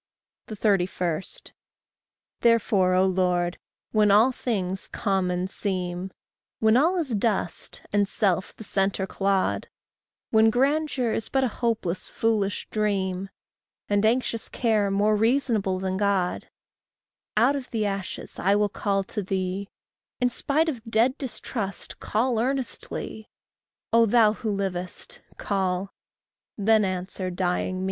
31. Therefore, O Lord, when all things common seem, When all is dust, and self the centre clod, When grandeur is a hopeless, foolish dream, And anxious care more reasonable than God, Out of the ashes I will call to thee In spite of dead distrust call earnestly: Oh thou who livest, call, then answer dying me.